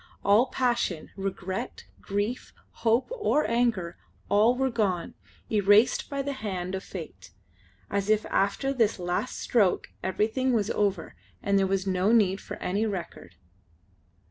All passion, regret, grief, hope, or anger all were gone, erased by the hand of fate, as if after this last stroke everything was over and there was no need for any record.